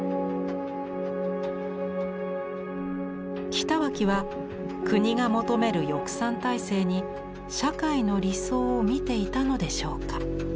北脇は国が求める翼賛体制に社会の理想を見ていたのでしょうか。